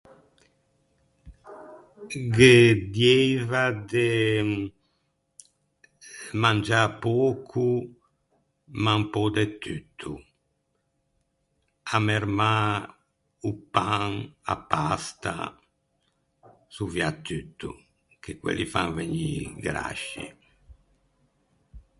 Ghe dieiva de mangiâ pöco ma un pö de tutto. Ammermâ o pan, a pasta, soviatutto, che quelli fan vegnî grasci.